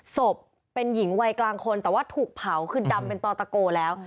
ศพเป็นหญิงวัยกลางคนแต่ว่าถูกเผาคือดำเป็นต่อตะโกแล้ว